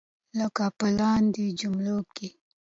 لکه په لاندې جملو کې.